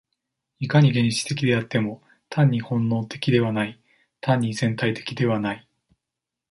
いかに原始的であっても、単に本能的ではない、単に全体的ではない。